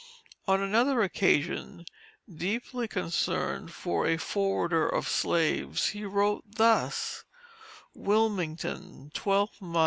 On another occasion deeply concerned for A FORWARDER OF SLAVES, he wrote thus: WILMINGTON, 12th mo.